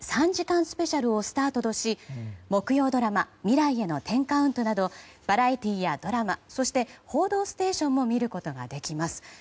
３時間スペシャル」をスタートとし木曜ドラマ「未来への１０カウント」などバラエティーやドラマそして「報道ステーション」も見ることができます。